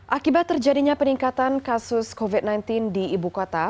akibat terjadinya peningkatan kasus covid sembilan belas di ibu kota